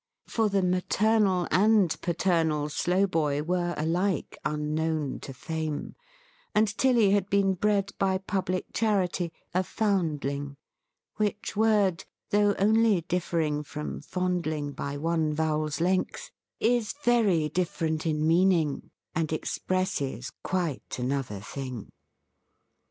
For the maternal and paternal Slowboy were alike unknown to Fame, and Tilly had been bred by public charity, a Foundling; which word, though only differing from Fondling by one vowel's length, is very different in meaning, and expresses quite another thing.